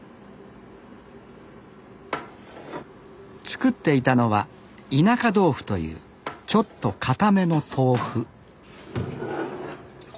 作っていたのは田舎豆腐というちょっと硬めの豆腐